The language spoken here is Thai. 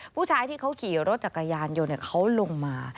ผู้ชายที่เขาขี่รถจักรยานยนต์เขาลงมา